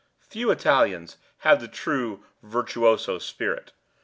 Few Italians have the true virtuoso spirit.